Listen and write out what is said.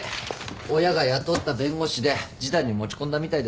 親が雇った弁護士で示談に持ち込んだみたいですね。